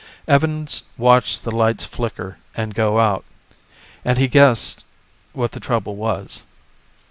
Evans watched the lights flicker and go out, and he guessed what the trouble was.